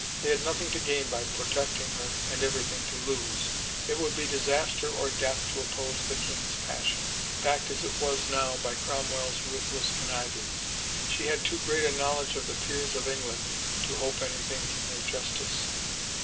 They had nothing to gain by protecting her and everything to lose ; it would be disaster or death to oppose the king's passion, backed as it was now by Cromwell's ruthless connivings. She had too great a knowledge of the peers of England to hope anything from their justice.